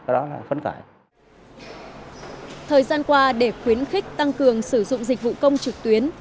thời gian qua để khuyến khích tăng cường sử dụng dịch vụ công trực tuyến